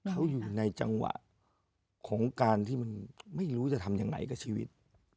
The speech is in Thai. เขาอยู่ในจังหวะของการที่มันไม่รู้จะทำยังไงกับชีวิต